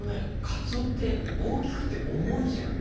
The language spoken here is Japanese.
カツオって大きくて重いじゃん。